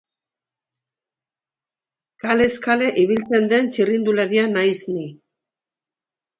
Lehen zutoinera jaurti du eibartarrak eta baloia kanpora joan da, oso gutxigatik.